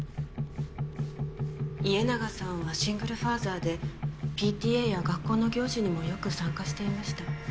家長さんはシングルファーザーでＰＴＡや学校の行事にもよく参加していました。